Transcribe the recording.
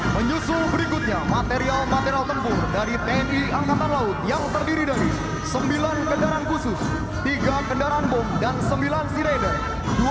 menyusul berikutnya material material tempur dari tni angkatan laut yang terdiri dari sembilan kendaraan khusus tiga kendaraan bom dan sembilan sea rider